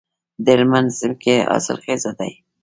د هلمند ځمکې حاصلخیزه دي